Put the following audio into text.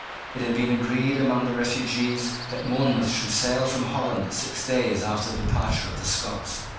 It had been agreed among the refugees that Monmouth should sail from Holland six days after the departure of the Scots.